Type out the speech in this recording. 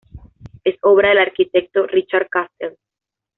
Es obra del arquitecto Richard Castle.